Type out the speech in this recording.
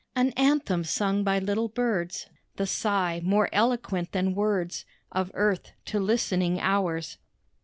An anthem sung by little birds, The sigh more eloquent than words Of earth to listening hours.